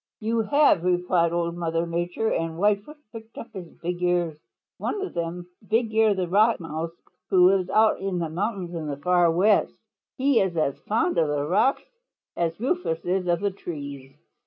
"You have," replied Old Mother Nature, and Whitefoot pricked up his big ears. "One of them Bigear the Rock Mouse, who lives out in the mountains of the Far West. He is as fond of the rocks as Rufous is of the trees.